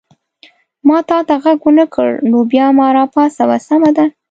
ما تا ته غږ ونه کړ نو بیا ما را پاڅوه، سمه ده؟